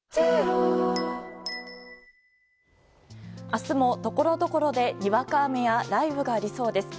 明日も、ところどころでにわか雨や雷雨がありそうです。